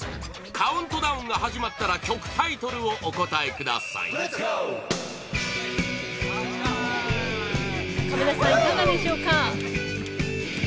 カウントダウンが始まったら曲タイトルをお答えください亀梨さん、いかがでしょうか？